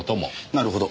なるほど。